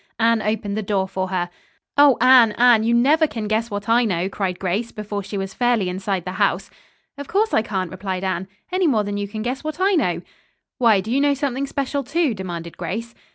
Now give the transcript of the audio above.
Anne opened the door for her. "Oh, Anne, Anne! You never can guess what I know!" cried Grace, before she was fairly inside the house. "Of course, I can't," replied Anne, "any more than you can guess what I know." "Why, do you know something special, too?" demanded Grace.